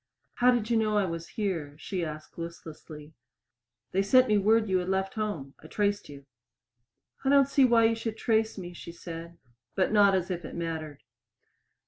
"How did you know I was here?" she asked listlessly. "They sent me word you had left home. I traced you." "I don't see why you should trace me," she said, but not as if it mattered.